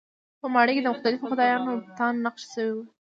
په ماڼۍ کې د مختلفو خدایانو بتان نقش شوي وو.